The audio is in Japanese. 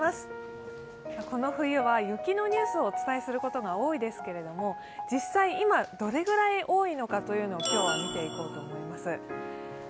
この冬は雪のニュースをお伝えすることが多いですけれども、実際、今どれぐらい多いのかというのを今日は見ていこうと思います。